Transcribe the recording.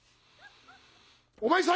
「お前さん